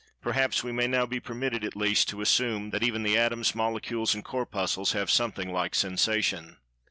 Perhaps we may now be permitted at least to "assume" that even the Atoms, Molecules and Corpuscles have "something like sensation."